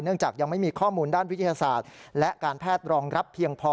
จากยังไม่มีข้อมูลด้านวิทยาศาสตร์และการแพทย์รองรับเพียงพอ